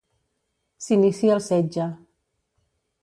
S'inicia el setge.